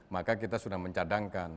maka kita sudah mencadangkan